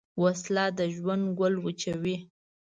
وسله د ژوند ګل وچوي